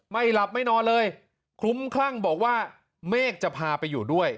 ไม่หลับไม่นอนเลยคลุ้มคลั่งบอกว่าเมฆจะพาไปอยู่ด้วย